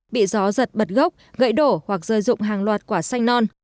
bị gió giật bật gốc gãy đổ hoặc rơi rụng hàng loạt quả xanh non